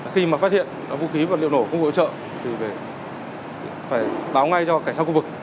khi mà phát hiện vũ khí vật liệu nổ công cụ hỗ trợ thì phải báo ngay cho cảnh sát khu vực